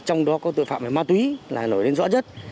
trong đó có tội phạm ma tuế